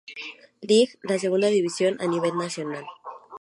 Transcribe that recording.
Lig, la segunda división a nivel nacional.